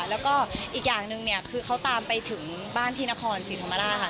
แล้วก็อีกอย่างหนึ่งคือเขาตามไปถึงบ้านที่นครสิทธิ์ธรรมดาค่ะ